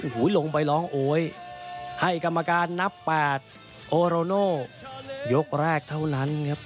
ลงไปร้องโอ๊ยให้กรรมการนับ๘โอโรโน่ยกแรกเท่านั้นครับ